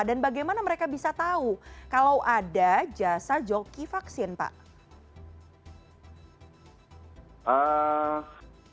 dan bagaimana mereka bisa tahu kalau ada jasa joki vaksin pak